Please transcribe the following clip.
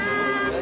何？